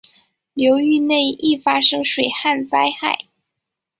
流域内易发生水旱灾害。